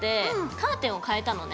カーテンを変えたのね。